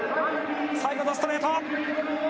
最後のストレート。